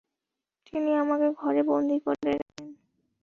তিনি আমাকে ঘরে বন্দী করে রাখলেন।